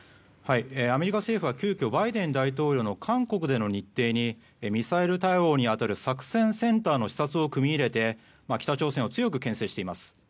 アメリカ政府は急きょ、バイデン大統領の韓国での日程にミサイル対応に当たる作戦センターの視察を組み入れて北朝鮮を強く牽制しています。